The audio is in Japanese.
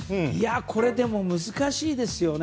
これ難しいですよね。